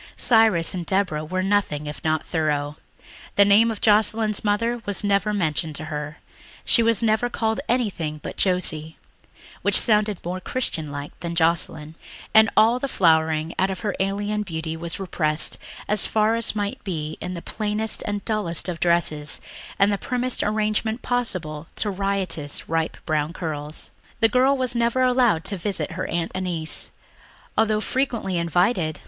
Cyrus and Deborah were nothing if not thorough. The name of Joscelyn's mother was never mentioned to her; she was never called anything but Josie, which sounded more "Christian like" than Joscelyn; and all the flowering out of her alien beauty was repressed as far as might be in the plainest and dullest of dresses and the primmest arrangement possible to riotous ripe brown curls. The girl was never allowed to visit her Aunt Annice, although frequently invited.